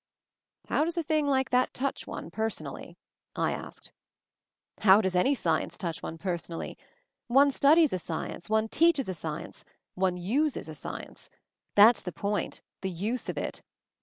"How does a thing like that touch one, personally?" I asked. "How does any science touch one person ally? One studies a science, one teaches a science, one uses a science. That's the point — the use of it.